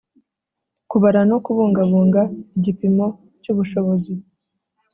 kubara no kubungabunga igipimo cy ubushobozi